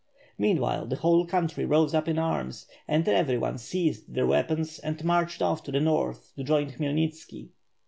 Meanwhile, the whole country rose up in arms, and every one seized their weapons and marched off to the north to join Khmyelnitski.